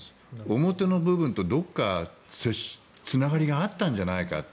表の部分と、どこかつながりがあったんじゃないかって。